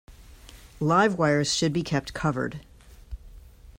Live wires should be kept covered.